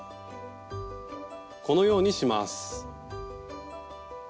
このようにします。